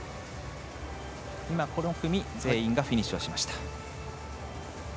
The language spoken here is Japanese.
この組、全員がフィニッシュしました。